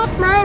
om jangan om